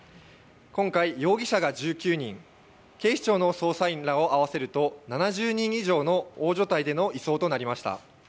今回、容疑者が１９人警視庁の捜査員らを合わせると７０人以上の大所帯での移送となりました。